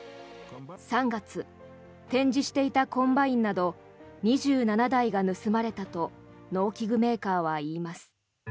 ３月、展示していたコンバインなど２７台が盗まれたと農機具メーカーは言います。